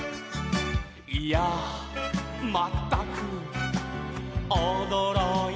「いやあまったくおどろいた」